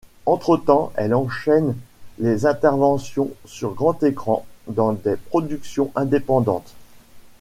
Entre-temps, elle enchaîne les interventions sur grand écran dans des productions indépendantes.